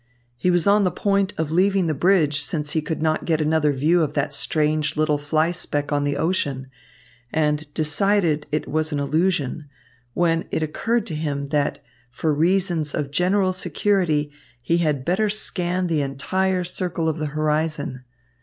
He was on the point of leaving the bridge, since he could not get another view of that strange little flyspeck on the ocean and decided it was an allusion, when it occurred to him that for reasons of general security he had better scan the entire circle of the horizon.